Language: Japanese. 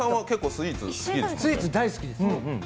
スイーツ大好きです。